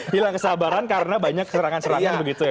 hilang kesabaran karena banyak serangan serangan begitu ya